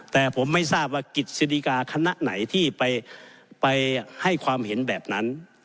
แต่ผมไม่ทราบว่ากิจสิริกาคณะไหนที่ไปให้ความเห็นแบบนั้น